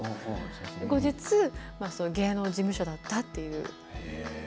後日、芸能事務所だったという。